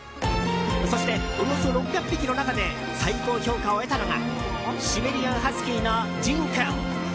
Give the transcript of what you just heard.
そして、およそ６００匹の中で審査で最高評価を得たのがシベリアン・ハスキーのＧＩＮ君。